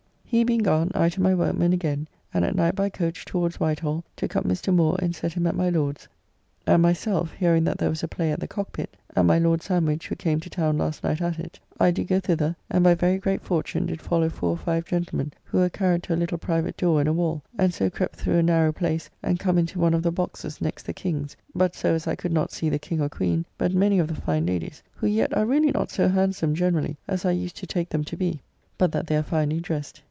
He being gone I to my workmen again, and at night by coach towards Whitehall took up Mr. Moore and set him at my Lord's, and myself, hearing that there was a play at the Cockpit (and my Lord Sandwich, who came to town last night, at it), I do go thither, and by very great fortune did follow four or five gentlemen who were carried to a little private door in a wall, and so crept through a narrow place and come into one of the boxes next the King's, but so as I could not see the King or Queene, but many of the fine ladies, who yet are really not so handsome generally as I used to take them to be, but that they are finely dressed.